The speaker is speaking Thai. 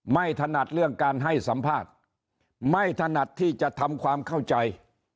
ถนัดเรื่องการให้สัมภาษณ์ไม่ถนัดที่จะทำความเข้าใจ